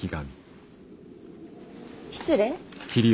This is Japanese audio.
失礼。